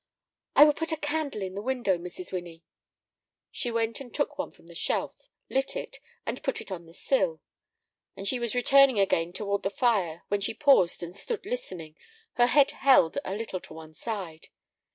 "I will put a candle in the window, Mrs. Winnie." She went and took one from the shelf, lit it, and put it upon the sill. And she was returning again toward the fire when she paused and stood listening, her head held a little to one side.